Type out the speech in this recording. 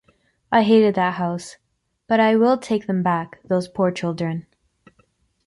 I hated that house... But I will take them back, those poor children.